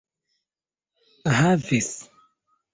havis